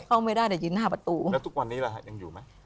เข้าไม่ได้ได้ยินห้าประตูแล้วทุกวันนี้ล่ะฮะยังอยู่ไหม